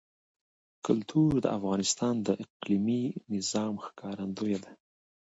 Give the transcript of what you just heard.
کلتور د افغانستان د اقلیمي نظام ښکارندوی ده.